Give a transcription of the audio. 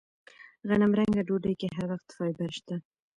غنمرنګه ډوډۍ کې هر وخت فایبر شته.